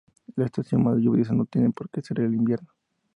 La estación más lluviosa no tiene porque ser el invierno.